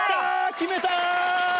決めた！